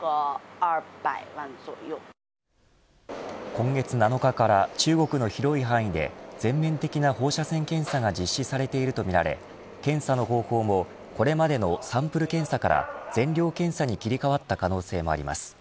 今月７日から中国の広い範囲で全面的な放射線検査が実施されているとみられ検査の方法もこれまでのサンプル検査から全量検査に切り替わった可能性もあります。